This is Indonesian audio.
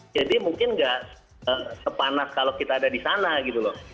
jadi mungkin nggak sepanas kalau kita ada di sana gitu loh